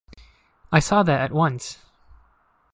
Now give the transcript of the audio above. I saw that at once.